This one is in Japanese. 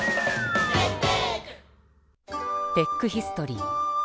テックヒストリー。